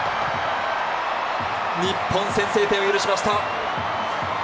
日本、先制点を許しました。